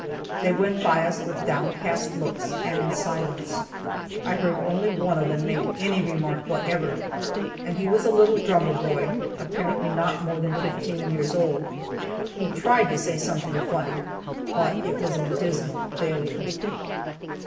They went by us with downcast looks and in silence. I heard only one of them make any remark whatever, and he was a little drummer boy, apparently not more than fifteen years old. He tried to say something funny, but it was a dismal failure.